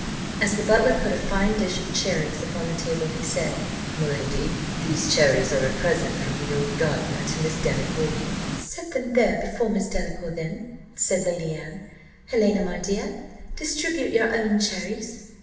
As the butler put a fine dish of cherries upon the table, he said, "My lady, these cherries are a present from the old gardener to Miss Delacour." "Set them before Miss Delacour then," said Lady Anne. "Helena, my dear, distribute your own cherries."